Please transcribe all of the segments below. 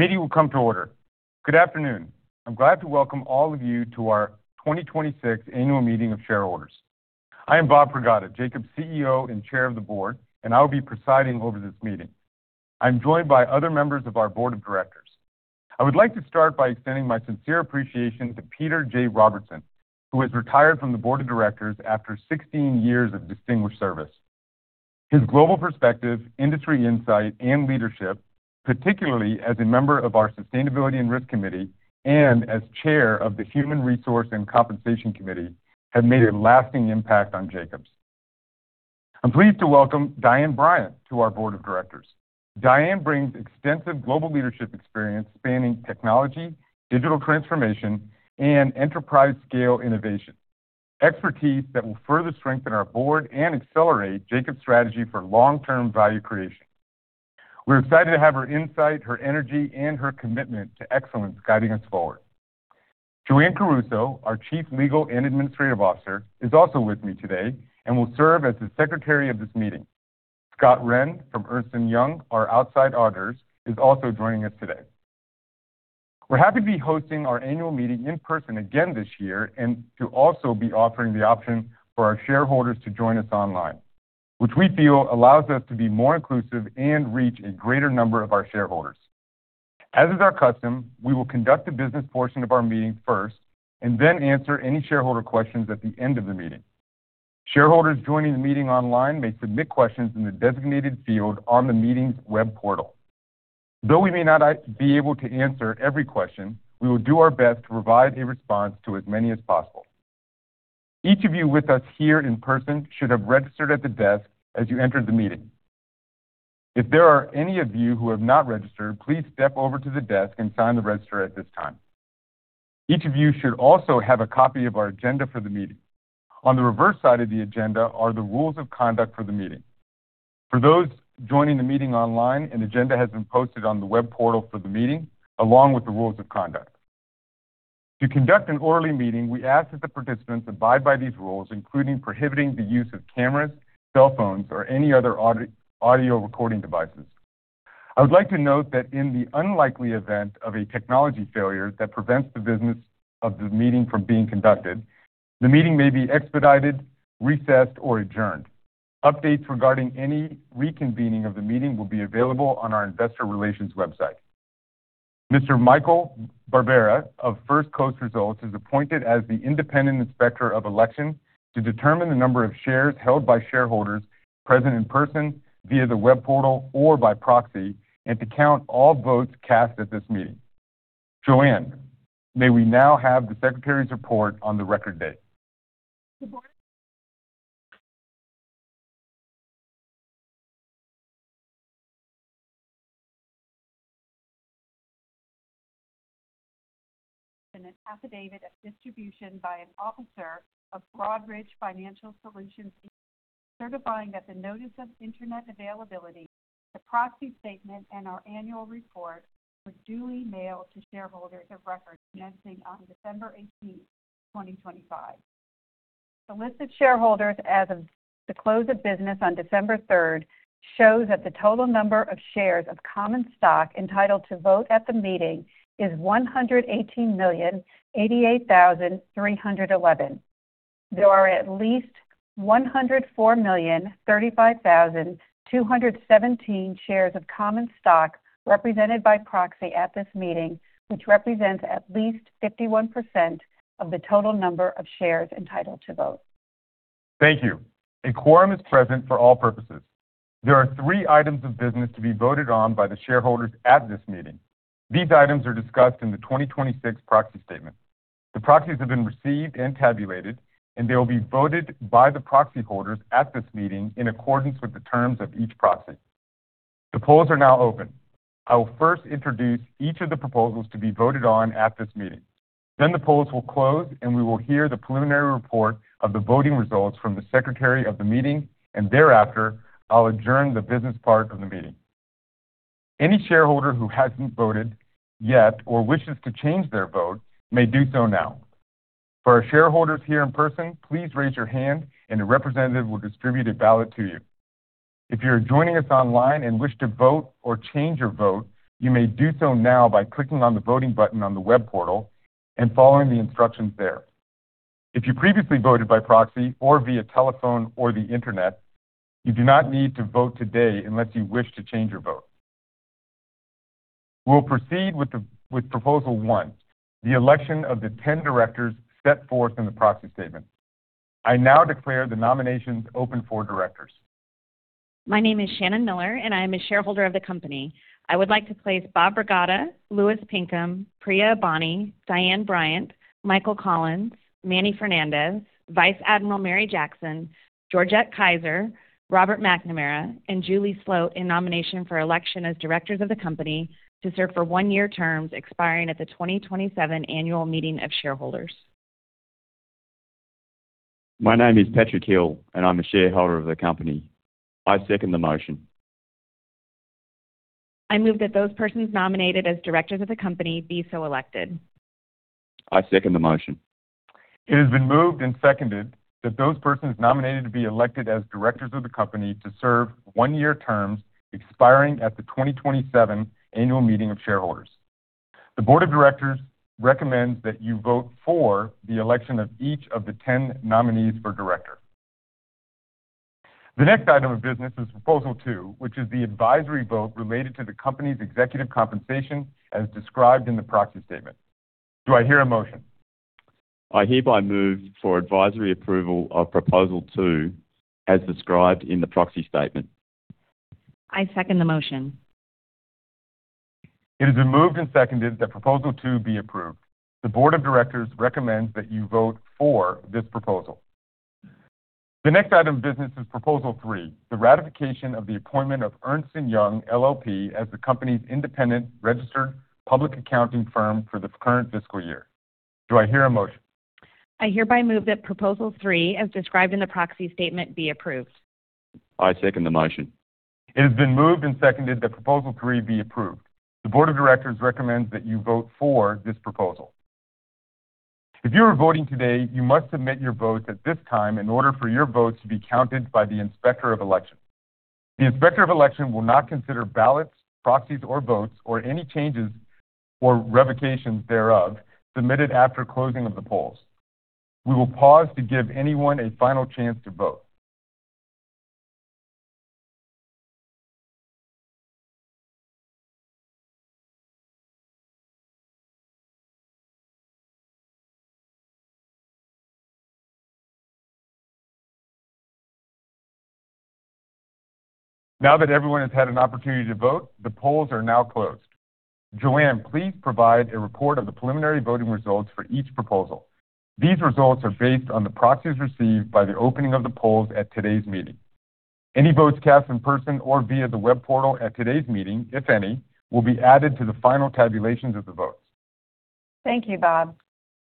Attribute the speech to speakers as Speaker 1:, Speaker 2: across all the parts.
Speaker 1: The meeting will come to order. Good afternoon. I'm glad to welcome all of you to our 2026 Annual Meeting of Shareholders. I am Bob Pragada, Jacobs' CEO and Chair of the Board, and I'll be presiding over this meeting. I'm joined by other members of our board of directors. I would like to start by extending my sincere appreciation to Peter J. Robertson, who has retired from the board of directors after 16 years of distinguished service. His global perspective, industry insight, and leadership, particularly as a member of our Sustainability and Risk Committee and as Chair of the Human Resource and Compensation Committee, have made a lasting impact on Jacobs. I'm pleased to welcome Diane Bryant to our board of directors. Diane brings extensive global leadership experience spanning technology, digital transformation, and enterprise-scale innovation, expertise that will further strengthen our board and accelerate Jacobs' strategy for long-term value creation. We're excited to have her insight, her energy, and her commitment to excellence guiding us forward. Joanne Caruso, our Chief Legal and Administrative Officer, is also with me today and will serve as the secretary of this meeting. Scott Wren from Ernst & Young, our outside auditors, is also joining us today. We're happy to be hosting our annual meeting in person again this year, and to also be offering the option for our shareholders to join us online, which we feel allows us to be more inclusive and reach a greater number of our shareholders. As is our custom, we will conduct the business portion of our meeting first, and then answer any shareholder questions at the end of the meeting. Shareholders joining the meeting online may submit questions in the designated field on the meeting's web portal. Though we may not be able to answer every question, we will do our best to provide a response to as many as possible. Each of you with us here in person should have registered at the desk as you entered the meeting. If there are any of you who have not registered, please step over to the desk and sign the register at this time. Each of you should also have a copy of our agenda for the meeting. On the reverse side of the agenda are the rules of conduct for the meeting. For those joining the meeting online, an agenda has been posted on the web portal for the meeting, along with the rules of conduct. To conduct an orderly meeting, we ask that the participants abide by these rules, including prohibiting the use of cameras, cell phones, or any other audio recording devices. I would like to note that in the unlikely event of a technology failure that prevents the business of the meeting from being conducted, the meeting may be expedited, recessed, or adjourned. Updates regarding any reconvening of the meeting will be available on our investor relations website. Mr. Michael Barbera of First Coast Results is appointed as the independent inspector of election to determine the number of shares held by shareholders present in person via the web portal or by proxy, and to count all votes cast at this meeting. Joanne, may we now have the secretary's report on the Record Date?
Speaker 2: Good morning. An affidavit of distribution by an officer of Broadridge Financial Solutions, certifying that the notice of Internet availability, the proxy statement, and our annual report were duly mailed to shareholders of record commencing on December eighteenth, 2025. The listed shareholders as of the close of business on December third shows that the total number of shares of common stock entitled to vote at the meeting is 118,088,311. There are at least 104,035,217 shares of common stock represented by proxy at this meeting, which represents at least 51% of the total number of shares entitled to vote. Thank you. A quorum is present for all purposes. There are three items of business to be voted on by the shareholders at this meeting. These items are discussed in the 2026 Proxy Statement. The proxies have been received and tabulated, and they will be voted by the proxy holders at this meeting in accordance with the terms of each proxy. The polls are now open. I will first introduce each of the proposals to be voted on at this meeting. Then the polls will close, and we will hear the preliminary report of the voting results from the secretary of the meeting, and thereafter, I'll adjourn the business part of the meeting. Any shareholder who hasn't voted yet or wishes to change their vote may do so now. For our shareholders here in person, please raise your hand, and a representative will distribute a ballot to you. If you're joining us online and wish to vote or change your vote, you may do so now by clicking on the voting button on the web portal and following the instructions there. If you previously voted by proxy or via telephone or the internet, you do not need to vote today unless you wish to change your vote. We'll proceed with proposal one, the election of the 10 directors set forth in the Proxy Statement. I now declare the nominations open for directors.
Speaker 3: My name is Shannon Miller, and I am a shareholder of the company. I would like to place Bob Pragada, Louis Pinkham, Priya Abani, Diane Bryant, Michael Collins, Manny Fernandez, Vice Admiral Mary Jackson, Georgette Kiser, Robert McNamara, and Julie Sloat in nomination for election as directors of the company to serve for one-year terms expiring at the 2027 annual meeting of shareholders.
Speaker 4: My name is Patrick Hill, and I'm a shareholder of the company. I second the motion.
Speaker 3: I move that those persons nominated as directors of the company be so elected....
Speaker 4: I second the motion.
Speaker 1: It has been moved and seconded that those persons nominated to be elected as directors of the company to serve one-year terms expiring at the 2027 annual meeting of shareholders. The board of directors recommends that you vote for the election of each of the 10 nominees for director. The next item of business is Proposal Two, which is the advisory vote related to the company's executive compensation, as described in the proxy statement. Do I hear a motion?
Speaker 4: I hereby move for advisory approval of Proposal Two, as described in the proxy statement.
Speaker 2: I second the motion.
Speaker 1: It has been moved and seconded that Proposal Two be approved. The board of directors recommends that you vote for this proposal. The next item of business is Proposal Three: the ratification of the appointment of Ernst & Young LLP as the company's independent registered public accounting firm for the current fiscal year. Do I hear a motion?
Speaker 2: I hereby move that Proposal 3, as described in the Proxy Statement, be approved.
Speaker 4: I second the motion.
Speaker 1: It has been moved and seconded that Proposal Three be approved. The board of directors recommends that you vote for this proposal. If you are voting today, you must submit your vote at this time in order for your vote to be counted by the Inspector of Election. The Inspector of Election will not consider ballots, proxies, or votes, or any changes or revocations thereof, submitted after closing of the polls. We will pause to give anyone a final chance to vote. Now that everyone has had an opportunity to vote, the polls are now closed. Joanne, please provide a report of the preliminary voting results for each proposal. These results are based on the proxies received by the opening of the polls at today's meeting. Any votes cast in person or via the web portal at today's meeting, if any, will be added to the final tabulations of the votes.
Speaker 2: Thank you, Bob.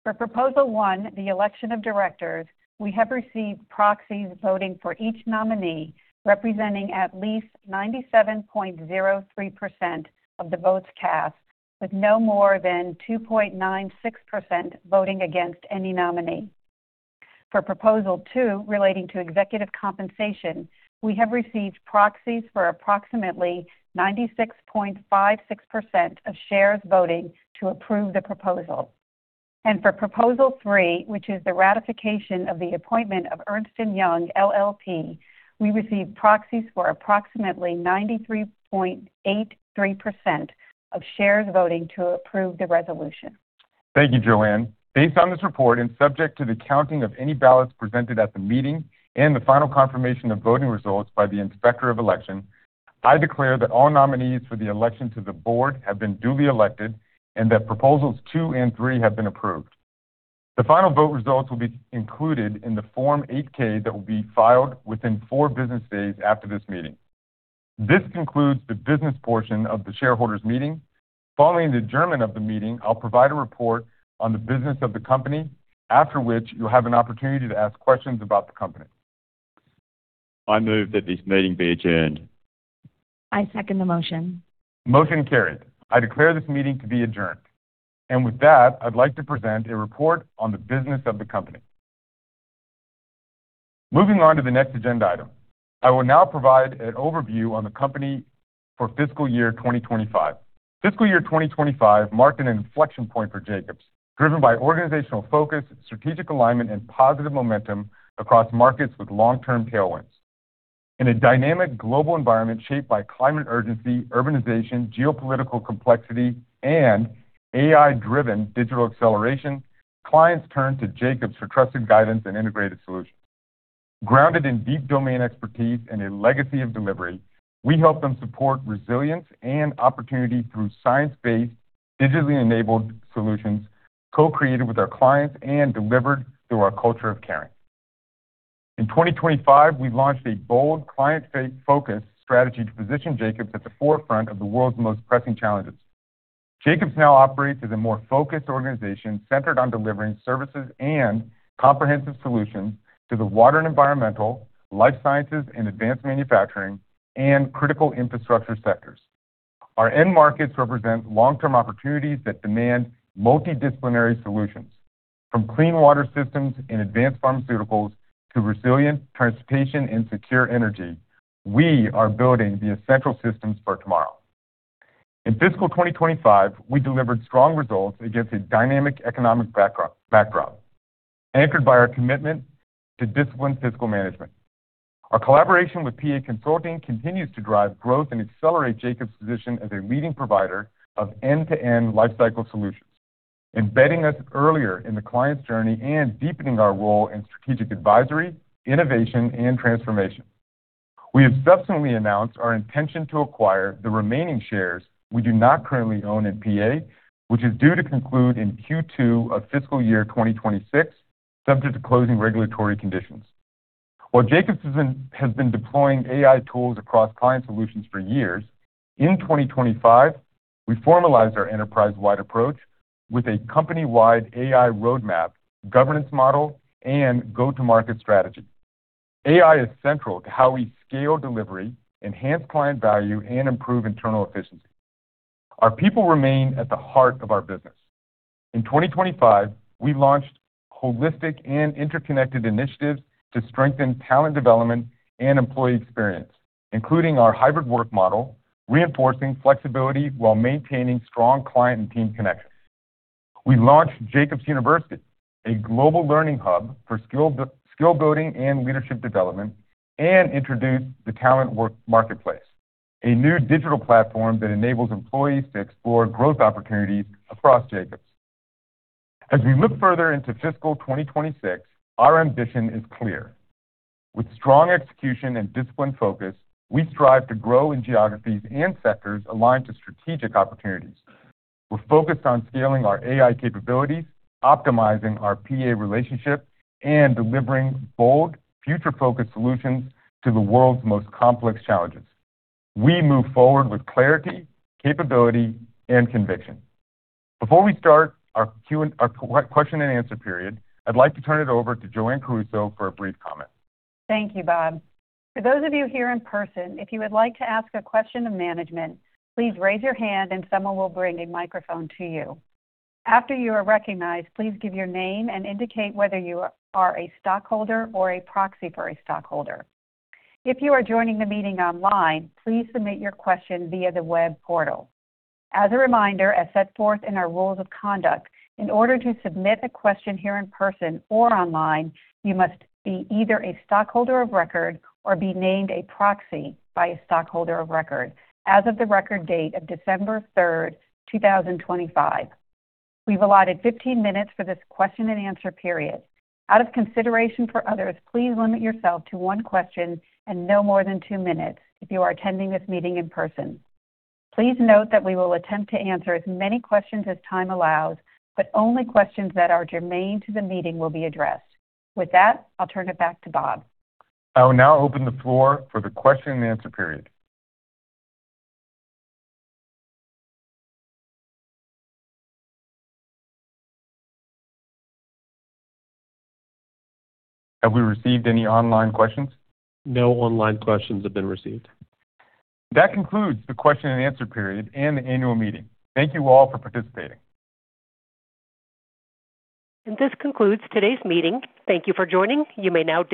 Speaker 2: For Proposal 1, the election of directors, we have received proxies voting for each nominee, representing at least 97.03% of the votes cast, with no more than 2.96% voting against any nominee. For Proposal 2, relating to executive compensation, we have received proxies for approximately 96.56% of shares voting to approve the proposal. For Proposal 3, which is the ratification of the appointment of Ernst & Young LLP, we received proxies for approximately 93.83% of shares voting to approve the resolution.
Speaker 1: Thank you, Joanne. Based on this report, and subject to the counting of any ballots presented at the meeting and the final confirmation of voting results by the Inspector of Election, I declare that all nominees for the election to the board have been duly elected, and that Proposals 2 and 3 have been approved. The final vote results will be included in the Form 8-K that will be filed within 4 business days after this meeting. This concludes the business portion of the shareholders' meeting. Following the adjournment of the meeting, I'll provide a report on the business of the company, after which you'll have an opportunity to ask questions about the company.
Speaker 4: I move that this meeting be adjourned.
Speaker 2: I second the motion.
Speaker 1: Motion carried. I declare this meeting to be adjourned. With that, I'd like to present a report on the business of the company. Moving on to the next agenda item. I will now provide an overview on the company for fiscal year 2025. Fiscal year 2025 marked an inflection point for Jacobs, driven by organizational focus, strategic alignment, and positive momentum across markets with long-term tailwinds. In a dynamic global environment shaped by climate urgency, urbanization, geopolitical complexity, and AI-driven digital acceleration, clients turn to Jacobs for trusted guidance and integrated solutions. Grounded in deep domain expertise and a legacy of delivery, we help them support resilience and opportunity through science-based, digitally-enabled solutions, co-created with our clients and delivered through our culture of caring. In 2025, we launched a bold client-focus strategy to position Jacobs at the forefront of the world's most pressing challenges. Jacobs now operates as a more focused organization, centered on delivering services and comprehensive solutions to the water and environmental, life sciences and advanced manufacturing, and critical infrastructure sectors. Our end markets represent long-term opportunities that demand multidisciplinary solutions, from clean water systems and advanced pharmaceuticals to resilient transportation and secure energy, we are building the essential systems for tomorrow. In fiscal 2025, we delivered strong results against a dynamic economic background, anchored by our commitment to disciplined fiscal management. Our collaboration with PA Consulting continues to drive growth and accelerate Jacobs' position as a leading provider of end-to-end lifecycle solutions, embedding us earlier in the client's journey and deepening our role in strategic advisory, innovation, and transformation. We have subsequently announced our intention to acquire the remaining shares we do not currently own in PA, which is due to conclude in Q2 of fiscal year 2026, subject to closing regulatory conditions. While Jacobs has been deploying AI tools across client solutions for years, in 2025, we formalized our enterprise-wide approach with a company-wide AI roadmap, governance model, and go-to-market strategy. AI is central to how we scale delivery, enhance client value, and improve internal efficiency. Our people remain at the heart of our business. In 2025, we launched holistic and interconnected initiatives to strengthen talent development and employee experience, including our hybrid work model, reinforcing flexibility while maintaining strong client and team connection. We launched Jacobs University, a global learning hub for skill building and leadership development, and introduced the Talent Work Marketplace, a new digital platform that enables employees to explore growth opportunities across Jacobs. As we look further into fiscal 2026, our ambition is clear. With strong execution and disciplined focus, we strive to grow in geographies and sectors aligned to strategic opportunities. We're focused on scaling our AI capabilities, optimizing our PA relationship, and delivering bold, future-focused solutions to the world's most complex challenges. We move forward with clarity, capability, and conviction. Before we start our question and answer period, I'd like to turn it over to Joanne Caruso for a brief comment.
Speaker 2: Thank you, Bob. For those of you here in person, if you would like to ask a question to management, please raise your hand, and someone will bring a microphone to you. After you are recognized, please give your name and indicate whether you are a stockholder or a proxy for a stockholder. If you are joining the meeting online, please submit your question via the web portal. As a reminder, as set forth in our rules of conduct, in order to submit a question here in person or online, you must be either a stockholder of record or be named a proxy by a stockholder of record as of the Record Date of December 3, 2025. We've allotted 15 minutes for this question and answer period. Out of consideration for others, please limit yourself to one question and no more than two minutes if you are attending this meeting in person. Please note that we will attempt to answer as many questions as time allows, but only questions that are germane to the meeting will be addressed. With that, I'll turn it back to Bob.
Speaker 1: I will now open the floor for the question and answer period. Have we received any online questions?
Speaker 4: No online questions have been received.
Speaker 1: That concludes the question and answer period and the annual meeting. Thank you all for participating.
Speaker 3: This concludes today's meeting. Thank you for joining. You may now disconnect.